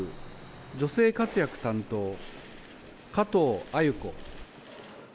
・女性活躍担当、加藤鮎子。